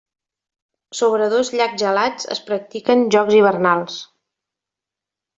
Sobre dos llacs gelats, es practiquen jocs hivernals.